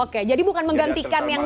oke jadi bukan menggantikan yang